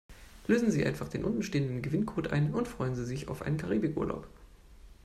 Lösen Sie einfach den unten stehenden Gewinncode ein und freuen Sie sich auf einen Karibikurlaub.